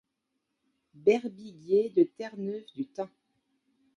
Berbiguier de Terre-Neuve du Thym.